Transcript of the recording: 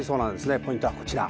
ポイントはこちら。